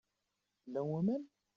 Llan waman?